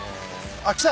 あっきた？